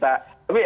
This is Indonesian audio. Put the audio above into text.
tapi nantilah kita